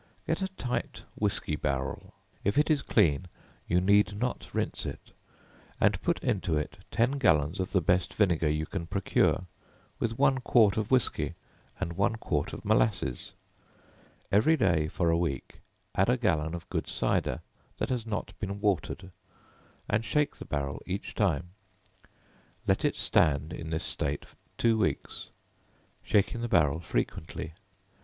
Get a tight whiskey barrel, if it is clean you need not rinse it, and put into it ten gallons of the best vinegar you can procure, with one quart of whiskey and one quart of molasses; every day for a week, add a gallon of good cider that has not been watered, and shake the barrel each time; let it stand in this state two weeks, shaking the barrel frequently.